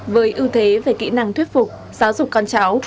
với ưu thế về kỹ năng thuyết phục giáo dục con cháu